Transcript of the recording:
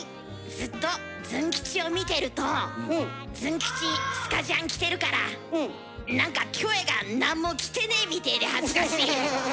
ずっとズン吉を見てるとズン吉スカジャン着てるから何かキョエがなんも着てねえみてえで恥ずかしい。